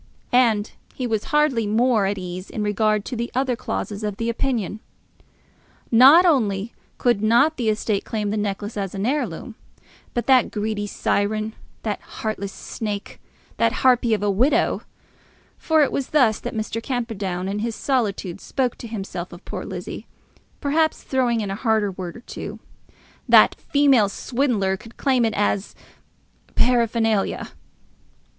And he was hardly more at ease in regard to the other clauses of the opinion. Not only could not the estate claim the necklace as an heirloom, but that greedy siren, that heartless snake, that harpy of a widow, for it was thus that Mr. Camperdown in his solitude spoke to himself of poor Lizzie, perhaps throwing in a harder word or two, that female swindler could claim it as paraphernalia!